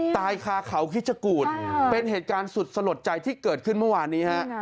ตายคาเขาคิดชะกูธเป็นเหตุการณ์สุดสลดใจที่เกิดขึ้นเมื่อวานนี้ฮะ